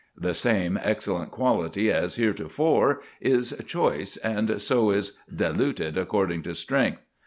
"The same excellent quality as heretofore" is choice, and so is "diluted according to strength."